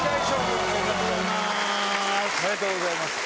おめでとうございます！